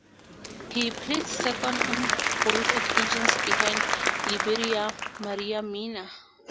He placed second on both occasions behind Liberal Maria Minna.